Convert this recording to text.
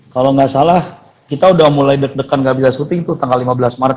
kalau nggak salah kita udah mulai deg degan nggak bisa syuting tuh tanggal lima belas maret